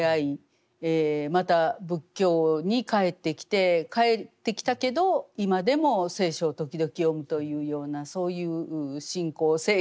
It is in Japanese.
また仏教に帰ってきて帰ってきたけど今でも聖書を時々読むというようなそういう信仰生活です。